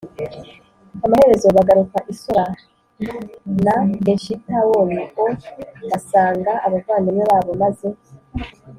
Amaherezo bagaruka i Sora n na Eshitawoli o b asanga abavandimwe babo maze